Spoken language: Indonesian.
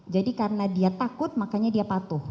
jadi karena dia takut makanya dia patuh